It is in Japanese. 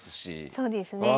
そうですね。